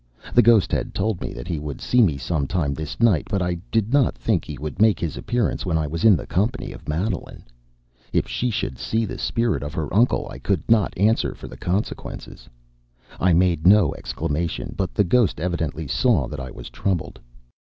The ghost had told me that he would see me some time this night, but I did not think he would make his appearance when I was in the company of Madeline. If she should see the spirit of her uncle, I could not answer for the consequences. I made no exclamation, but the ghost evidently saw that I was troubled.